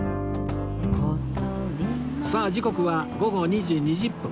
さあ時刻は午後２時２０分